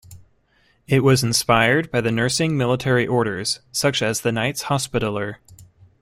It was inspired by the nursing military Orders, such as the Knights Hospitaller.